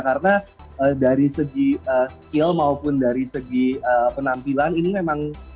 karena dari segi skill maupun dari segi penampilan ini memang